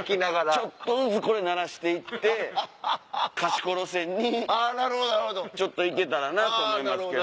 ちょっとずつこれ慣らして行って賢い路線に行けたらなと思いますけど。